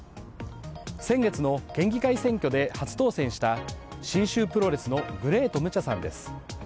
先月の県議会選挙で初当選した信州プロレスのグレート無茶さんです。